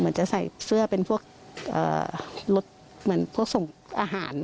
ลูกปราบทหารจะใส่เสื้อเหมือนส่งอาหาร